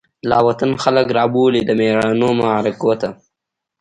لاوطن خلک رابولی، دمیړانومعرکوته